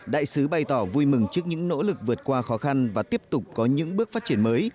đại sứ bày tỏ vui mừng trước những nỗ lực vượt qua khó khăn và tiếp tục có những bước phát triển mới